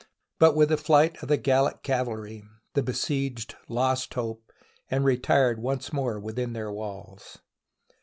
But with the flight of the Gallic cavalry the besieged lost hope and re tired once more within their walls.